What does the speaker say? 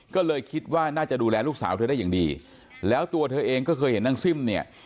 ก็เลยคิดว่าน่าจะดูแลลูกสาวเธอได้อย่างดีแล้วตัวเธอเองก็เคยเห็นนางซิ่มเนี่ย